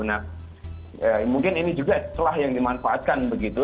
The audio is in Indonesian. nah mungkin ini juga celah yang dimanfaatkan begitu